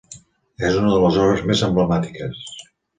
És una de les obres més emblemàtiques.